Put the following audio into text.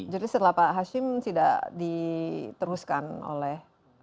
jadi setelah pak hashim tidak diteruskan oleh